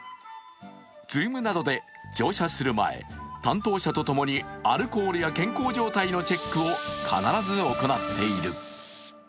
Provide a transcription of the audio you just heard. Ｚｏｏｍなどで乗車する前、担当者と共にアルコールや健康状態のチェックを必ず行っている。